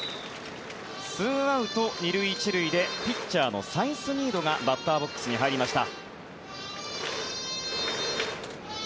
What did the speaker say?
２アウト２塁１塁でピッチャーのサイスニードがバッターボックスに入りました。